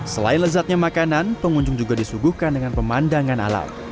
selain lezatnya makanan pengunjung juga disuguhkan dengan pemandangan alam